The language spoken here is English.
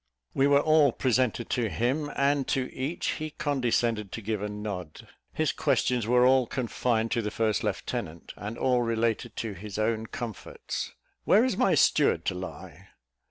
We were all presented to him; and to each he condescended to give a nod. His questions were all confined to the first lieutenant, and all related to his own comforts. "Where is my steward to lie?